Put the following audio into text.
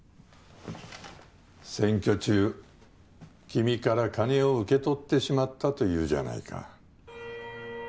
選挙中君から金を受け取ってしまったと言うじゃないか。